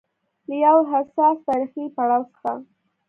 له يو حساس تاریخي پړاو څخه